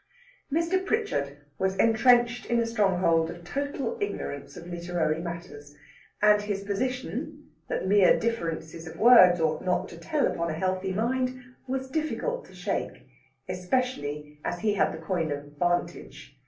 Mr. Prichard was entrenched in a stronghold of total ignorance of literary matters, and his position, that mere differences of words ought not to tell upon a healthy mind, was difficult to shake, especially as he had the coign of vantage.